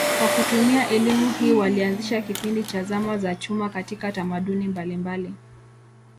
Kwa kutumia elimu hii walianzisha kipindi cha zama za chuma katika tamaduni mbalimbali.